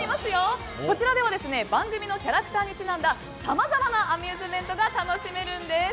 こちらでは番組のキャラクターにちなんださまざまなアミューズメントが楽しめるんです。